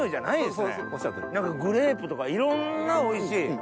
グレープとかいろんなおいしい。